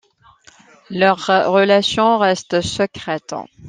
Leur relation reste secrète.